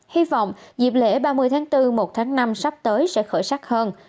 hy vọng dịp lễ ba mươi tháng bốn một tháng năm sắp tới sẽ khởi sắc hơn